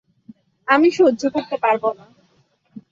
আমি সহ্য করতে পারব না।